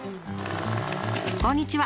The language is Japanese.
こんにちは。